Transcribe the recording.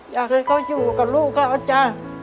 อยากให้เขาอยู่กับลูกเขาจ้ะ